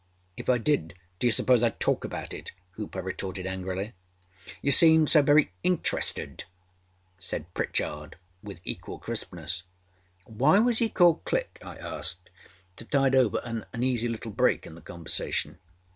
âIf I did dâyou suppose Iâd talk about it?â Hooper retorted angrily. âYou seemed so very interested,â said Pritchard with equal crispness. âWhy was he called Click?â I asked to tide over an uneasy little break in the conversation.